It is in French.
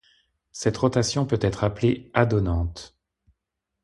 Cette rotation peut être appelée adonnante.